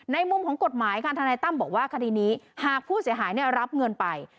มุมของกฎหมายค่ะทนายตั้มบอกว่าคดีนี้หากผู้เสียหายรับเงินไป